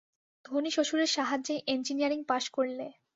ধনী শ্বশুরের সাহায্যেই এঞ্জিনিয়ারিং পাস করলে।